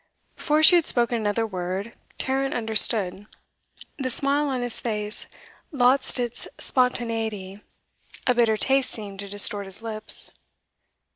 Before she had spoken another word, Tarrant understood; the smile on his face lost its spontaneity; a bitter taste seemed to distort his lips.